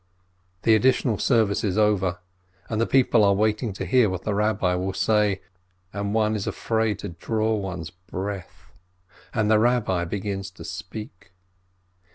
The Additional Service is over, and the people are waiting to hear what the Rabbi will say, and one is afraid to draw one's breath. And the Rabbi begins to speak.